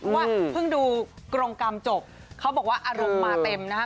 เพราะว่าเพิ่งดูกรงกรรมจบเขาบอกว่าอารมณ์มาเต็มนะฮะ